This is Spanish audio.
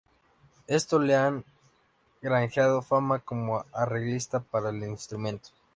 Esto le ha granjeado fama como arreglista para el instrumento.